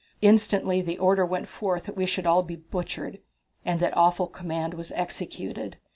Instantly the order went forth that we should all be butchered, and that awful command was executed!"